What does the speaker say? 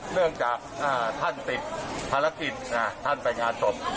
เนื่องจากท่านติดภารกิจท่านไปงานศพ